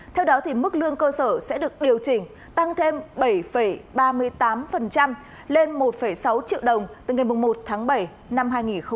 theo đó mức lương cơ sở sẽ được điều chỉnh tăng thêm bảy ba mươi tám lên một sáu triệu đồng từ ngày một tháng bảy năm hai nghìn hai mươi